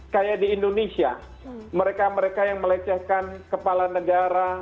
kayak di indonesia mereka mereka yang melecehkan kepala negara